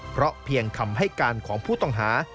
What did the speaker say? เพราะเพียงคำให้การของผู้ต้องหา